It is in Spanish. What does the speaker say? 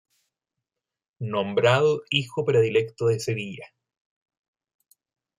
Nombrado hijo predilecto de Sevilla.